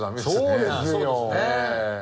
そうですね。